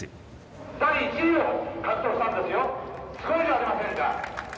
第１位を獲得したんですよすごいじゃありませんか。